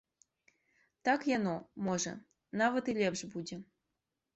Так яно, можа, нават і лепш будзе.